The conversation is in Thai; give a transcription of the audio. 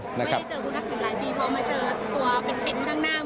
ไม่ได้เจอทุนักศึกหลายปีเพราะมาเจอตัวเป็นนั่งหน้า